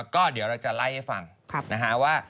ก็เดี๋ยวเราจะไล่ให้ฟังนะฮะว่า